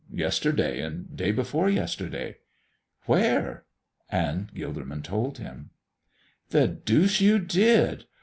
Yesterday and day before yesterday." "Where?" And Gilderman told him. "The deuce you did!